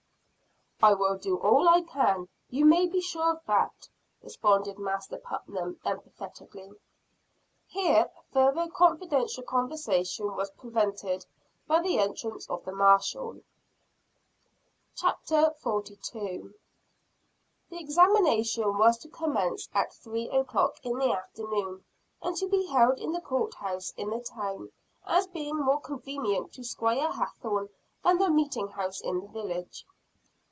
"I will do all I can; you may be sure of that," responded Master Putnam emphatically. Here further confidential conversation was prevented by the entrance of the marshall. CHAPTER XLII. Master Raymond Astonishes the Magistrates. The examination was to commence at three o'clock in the afternoon, and to be held in the Court House in the town, as being more convenient to Squire Hathorne than the meeting house in the village.